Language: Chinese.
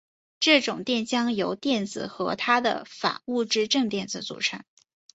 这种电浆由电子和它的反物质正电子组成。